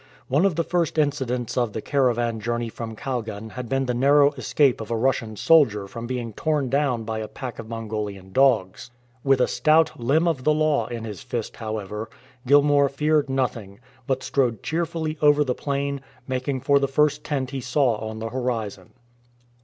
One of the first incidents of the caravan journey from Ivalgan had been the narrow escape of a Russian soldier from being torn down by a pack of Mon golian dogs. With a stout " limb of the law " in his fist, however, Gilmour feared nothing, but strode cheerfully over the plain, making for the first tent he saw on the horizon.